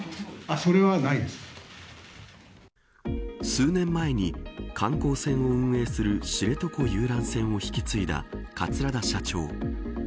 数年前に観光船を運営する知床遊覧船を引き継いだ桂田社長。